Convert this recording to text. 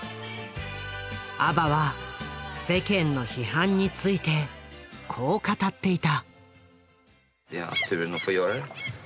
ＡＢＢＡは世間の批判についてこう語っていた。